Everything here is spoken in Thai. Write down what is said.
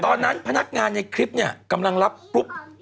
ตอนนั้นพนักงานในคลิปเนี่ยกำลังรับปุ๊บ